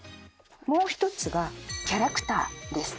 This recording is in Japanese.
もう一つが「キャラクター」です。